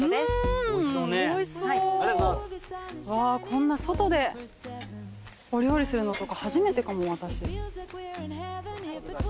こんな外でお料理するのとか初めてかも私。